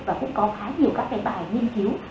và cũng có khá nhiều các cái bài nghiên cứu